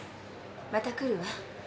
また来るわ。